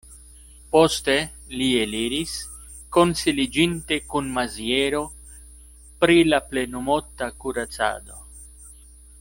Poste li eliris, konsiliĝinte kun Maziero pri la plenumota kuracado.